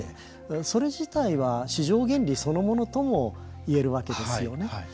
それ自体は、市場原理そのものともいえるわけですよね。